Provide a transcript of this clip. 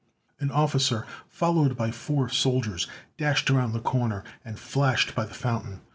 An officer, followed by four soldiers, dashed around the corner and flashed by the fountain.